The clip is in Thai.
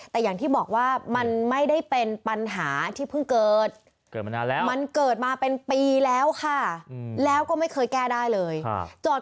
แต่อย่างที่บอกว่ามันไม่ได้เป็นปัญหาที่เพิ่งเกิด